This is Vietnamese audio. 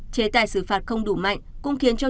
chế tài xử phạt không đủ mạnh cũng khiến cho